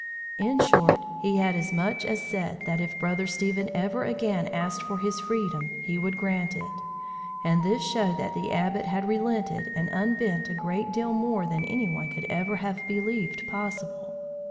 In short, he had as much as said that if Brother Stephen ever again asked for his freedom, he would grant it; and this showed that the Abbot had relented and unbent a great deal more than any one could ever have believed possible.